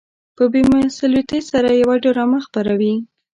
په بې مسؤليتۍ سره يوه ډرامه خپروي.